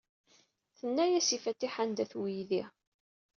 Tenna-as i Fatiḥa anda-t weydi.